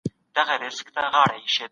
موږ تېر کال د دلارام په سیند کي کبان ونیول